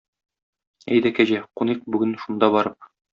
Әйдә, Кәҗә, куныйк бүген шунда барып.